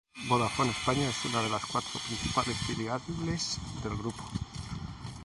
Vodafone España es una de las cuatro principales filiales del Grupo.